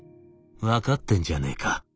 「分かってんじゃねえか」。